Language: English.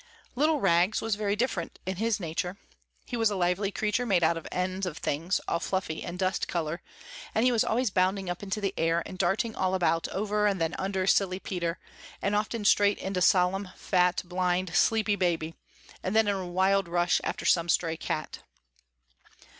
Little Rags was very different in his nature. He was a lively creature made out of ends of things, all fluffy and dust color, and he was always bounding up into the air and darting all about over and then under silly Peter and often straight into solemn fat, blind, sleepy Baby, and then in a wild rush after some stray cat.